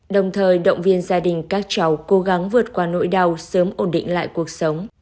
đồng thời động viên gia đình các cháu cố gắng vượt qua nỗi đau sớm ổn định lại cuộc sống